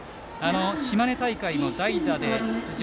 島根大会は代打で出場。